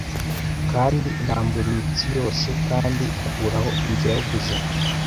Kandi irambura imitsi yose, kandi ikuraho inzira yubuzima